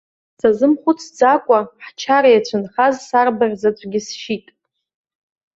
Сазымхәыцӡакәа, ҳчара иацәынхаз сарбаӷь заҵәгьы сшьит.